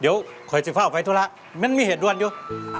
เดี๋ยวเข่าไฟเศษย์ออกไปโดยนะมันมีเหตุรวจอยู่